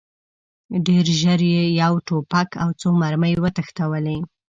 ډېر ژر یې یو توپک او څو مرمۍ وتښتولې.